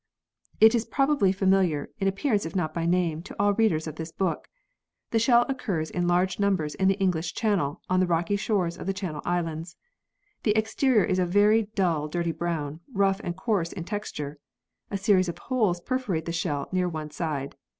It is probably familiar, in appearance if not by name, to all readers of this book. The shell occurs in large numbers in the English Channel on the rocky shores of the Channel Islands. The exterior is a very dull dirty brown rough and coarse in texture. A series of holes perforate the shell near one side.